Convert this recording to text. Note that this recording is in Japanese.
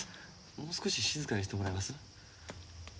もう少し静かにしてもらえます？